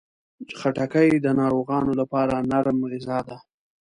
خټکی د ناروغانو لپاره نرم غذا ده.